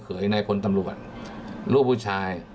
เผยในผลตำรวจ